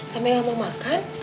sampai gak mau makan